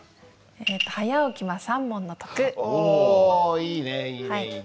おいいねいいねいいね。